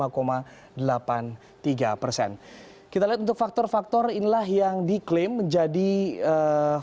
kita lihat untuk faktor faktor inilah yang diklaim menjadi ee